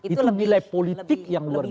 itu nilai politik yang luar biasa